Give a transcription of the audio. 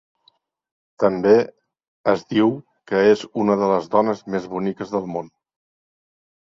També es diu que és una de les dones més boniques del món.